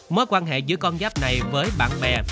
mối quan hệ giữa con giáp này với bạn bè